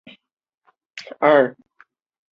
喜欢吞噬人类的美食界怪物。